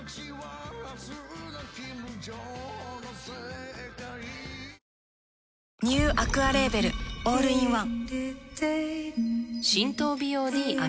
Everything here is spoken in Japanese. ニトリニューアクアレーベルオールインワン